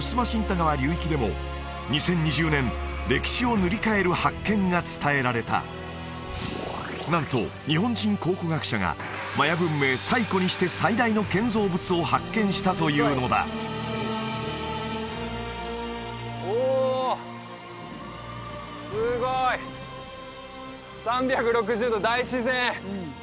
川流域でも２０２０年歴史を塗り替える発見が伝えられたなんと日本人考古学者がマヤ文明最古にして最大の建造物を発見したというのだおおすごい３６０度大自然！